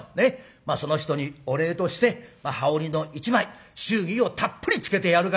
まあその人にお礼として羽織の一枚祝儀をたっぷりつけてやるから」。